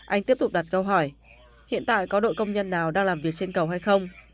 anh tiếp tục đặt câu hỏi hiện tại có đội công nhân nào đang làm việc trên cầu hay không